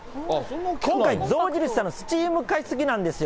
今回、象印さんのスチーム加湿器なんですよ。